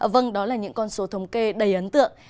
vâng đó là những con số thống kê đầy ấn tượng